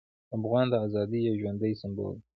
افغان د ازادۍ یو ژوندی سمبول دی.